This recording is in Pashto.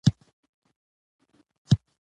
د اشوکا ستن د هند ملي نښه ده.